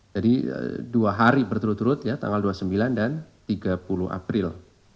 jadi dua hari berturut turut tanggal dua puluh sembilan dan tiga puluh april